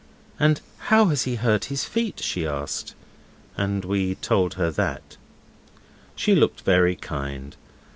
'And how has he hurt his feet?' she asked. And we told her that. She looked very kind.